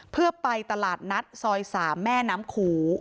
เพื่อไปตลาดนัดซอย๓แม่น้ำขู